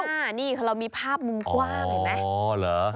ไม่ต้องเงยหน้านี่เรามีภาพมุมกว้างเห็นไหม